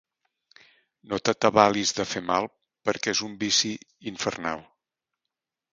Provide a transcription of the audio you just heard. No t'alabis de fer mal perquè és un vici infernal.